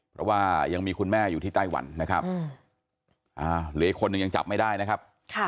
เพราะว่ายังมีคุณแม่อยู่ที่ไต้หวันนะครับเหลืออีกคนนึงยังจับไม่ได้นะครับ